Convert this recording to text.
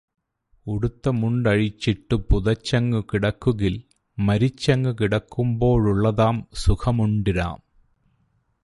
ഉടുത്ത മുണ്ടഴിച്ചിട്ടു പുതച്ചങ്ങു കിടക്കുകിൽ മരിച്ചങ്ങു കിടക്കുമ്പോഴുള്ളതാം സുഖമുണ്ടിടാം.